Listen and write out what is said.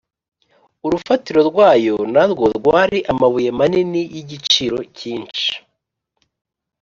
Urufatiro rwayo na rwo rwari amabuye manini y’igiciro cyinshi